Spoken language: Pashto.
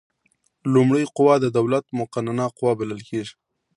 لومړۍ قوه د دولت مقننه قوه بلل کیږي.